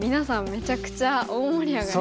めちゃくちゃ大盛り上がりでしたよね。